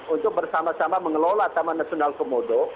untuk bersama sama mengelola taman nasional komodo